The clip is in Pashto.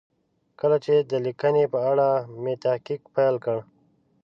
کله چې د لیکنې په اړه مې تحقیق پیل کړ.